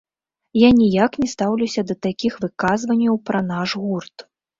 Я ніяк не стаўлюся да такіх выказванняў пра наш гурт.